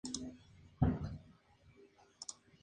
El entrenador principal, Jeff Julian, es su amigo desde su niñez.